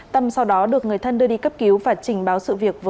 tâm sau đó được người thân đưa đi cấp cứu và trình báo sự việc